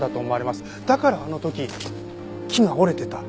だからあの時木が折れてた。